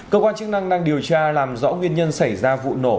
cơ quan chức năng đang điều tra làm rõ nguyên nhân xảy ra vụ nổ